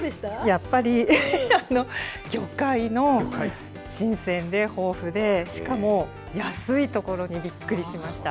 やっぱり、魚介の新鮮で豊富で、しかも、安いところにびっくりしました。